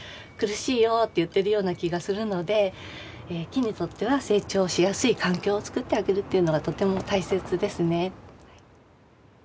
「苦しいよ」って言ってるような気がするので木にとっては成長しやすい環境を作ってあげるというのがとても大切ですね。